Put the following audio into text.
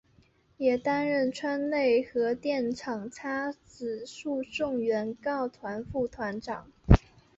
也担任川内核电厂差止诉讼原告团副团长。